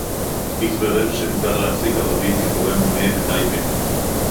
התברר שמותר להעסיק ערבים כקוראי מונה בטייבה